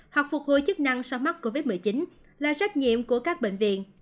học phục hồi chức năng sau mắc covid một mươi chín là trách nhiệm của các bệnh viện